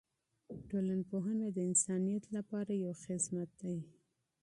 ټولنپوهنه د انسانیت لپاره یو خدمت دی.